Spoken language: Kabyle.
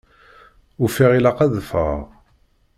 Ufiɣ ilaq ad d-ffɣeɣ.